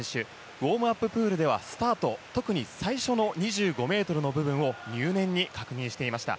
ウォームアッププールではスタート特に最初の２５ｍの部分を入念に確認していました。